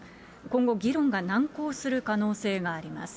今後、議論が難航する可能性があります。